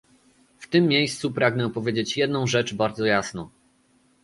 W tym miejscu pragnę powiedzieć jedną rzecz bardzo jasno